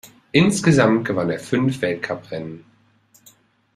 Insgesamt gewann er fünf Weltcuprennen.